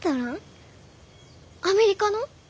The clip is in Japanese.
アメリカの？